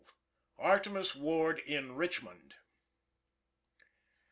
ARTEMUS WARD IN RICHMOND.